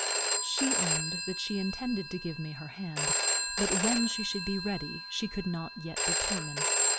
She owned that she intended to give me her hand, but when she should be ready she could not yet determine.